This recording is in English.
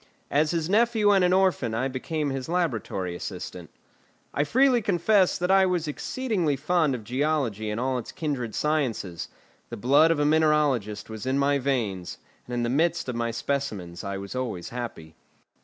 As his nephew and an orphan, I became his laboratory assistant. I freely confess that I was exceedingly fond of geology and all its kindred sciences; the blood of a mineralogist was in my veins, and in the midst of my specimens I was always happy.